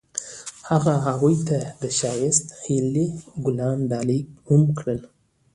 هغه هغې ته د ښایسته هیلې ګلان ډالۍ هم کړل.